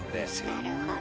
なるほど。